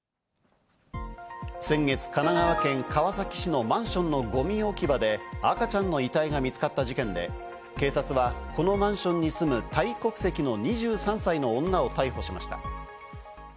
先月、神奈川県川崎市のマンションのゴミ置き場で赤ちゃんの遺体が見つかった事件で警察はこのマンションに住むタイ国籍の２３歳の女を逮捕しました。